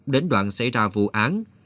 đến đoạn xảy ra vụ án